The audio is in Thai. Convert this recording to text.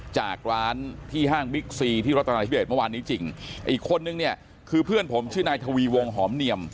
จากร้านที่ห้างบิ๊กซีที่รัฐนาธิเบสเมื่อวานนี้จริงอีกคนนึงเนี่ยคือเพื่อนผมชื่อนายทวีวงหอมเนียม